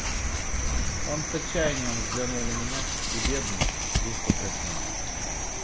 Он с отчаянием взглянул на меня и, бедный, весь покраснел.